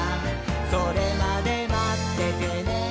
「それまでまっててねー！」